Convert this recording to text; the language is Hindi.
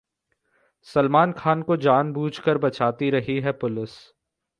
‘सलमान खान को जानबूझ कर बचाती रही है पुलिस’